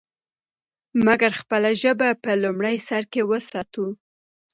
مګر خپله ژبه په لومړي سر کې وساتو.